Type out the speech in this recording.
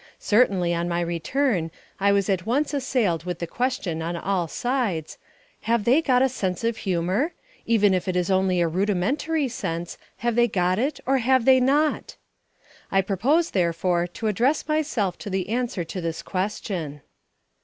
Certainly on my return I was at once assailed with the question on all sides, "Have they got a sense of humour? Even if it is only a rudimentary sense, have they got it or have they not?" I propose therefore to address myself to the answer to this question.